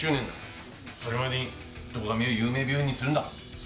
それまでに堂上を有名病院にするんだ。